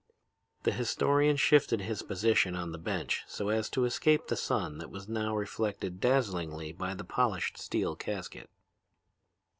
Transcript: The historian shifted his position on the bench so as to escape the sun that was now reflected dazzlingly by the polished steel casket.